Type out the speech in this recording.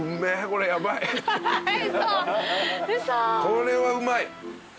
これはうまい。